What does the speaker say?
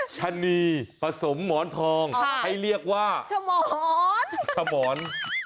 ชะนีผสมหมอนทองให้เรียกว่าสมรชมร